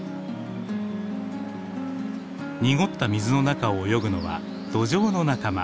濁った水の中を泳ぐのはドジョウの仲間。